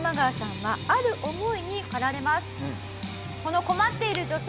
はい。